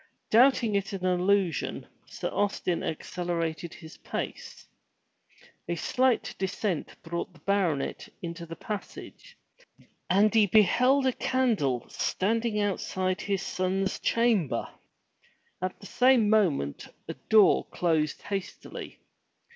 Doubting it an illusion, Sir Austin accelerated his pace. A slight descent brought the baronet into the passage and he beheld a candle standing outside his son's chamber. At the same moment a door closed hastily.